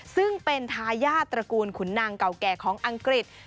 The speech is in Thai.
ซึ่งเป็นทายาทตระกูลขุนนางเก่าแก่ของอังกฤษ